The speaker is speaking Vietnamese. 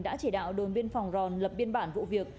đã chỉ đạo đồn biên phòng ròn lập biên bản vụ việc